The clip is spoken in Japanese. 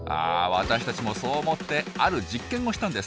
私たちもそう思ってある実験をしたんです。